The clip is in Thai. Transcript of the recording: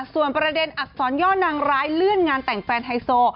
ส่วนประเด็นอักษรย่อนางร้ายเลื่อนงานแต่งแฟนไฮโซ